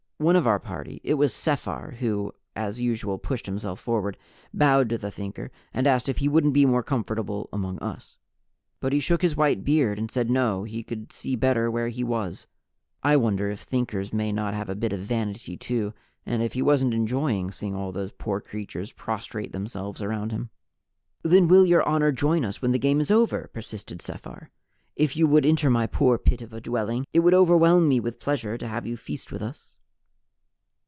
One of our party it was Sephar, who as usual pushed himself forward bowed to the Thinker and asked if he wouldn't be more comfortable among us. But he shook his white head and said no, he could see better where he was. (I wonder if Thinkers may not have a bit of vanity too, and if he wasn't enjoying seeing all those poor creatures prostrate themselves around him!) "Then will Your Honor join us when the game is over?" persisted Sephar. "If you would enter my poor pit of a dwelling, it would overwhelm me with pleasure to have you feast with us."